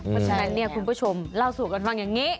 เพราะฉะนั้นเนี่ยคุณผู้ชมเล่าสู่กันฟังอย่างนี้